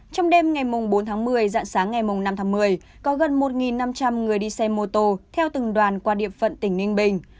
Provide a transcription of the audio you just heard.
trong đêm bốn một mươi dạng sáng năm một mươi gần một năm trăm linh người đi xe mô tô theo từng đoàn qua địa phận tỉnh ninh bình